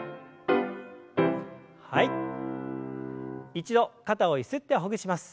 一度肩をゆすってほぐします。